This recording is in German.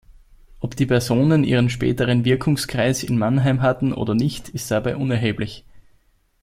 Ob die Personen ihren späteren Wirkungskreis in Mannheim hatten oder nicht, ist dabei unerheblich.